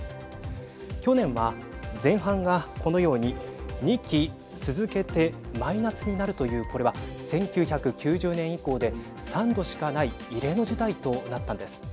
去年は前半がこのように２期続けてマイナスになるというこれは１９９０年以降で３度しかない異例の事態となったんです。